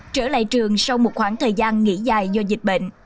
trở lại trường sau một khoảng thời gian nghỉ dài do dịch bệnh